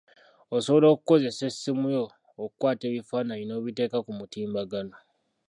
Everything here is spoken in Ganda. Osobola okukozesa essimu yo okukwata ebifaananyi n'obiteeka ku mutimbagano.